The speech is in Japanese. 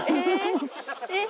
え？